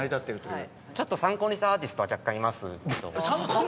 参考にしたアーティストは若干いますけど。